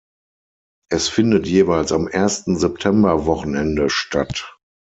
Es findet jeweils am ersten Septemberwochenende statt.